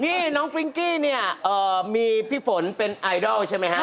นี่น้องปริงกี้มีพี่ฝนเป็นไอดอลใช่ไหมครับ